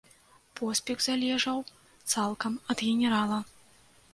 Поспех залежаў цалкам ад генерала.